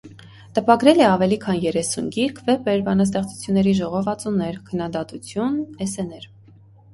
Տպագրել է ավելի քան երեսուն գիրք (վեպեր, բանաստեղծությունների ժողովածուներ, քննադատություն, էսսեներ)։